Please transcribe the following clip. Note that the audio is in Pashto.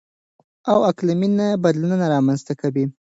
او اقلـيمي نه بـدلونـونه رامـنځتـه کوي.